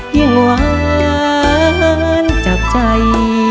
ยิ่งหวานจับใจ